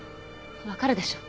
わかるでしょ？